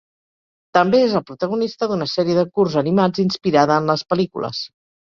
També és el protagonista d'una sèrie de curts animats inspirada en les pel·lícules.